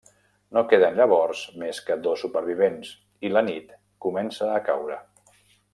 No queden llavors més que dos supervivents, i la nit comença a caure.